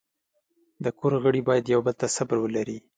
د کور غړي باید یو بل ته صبر ولري.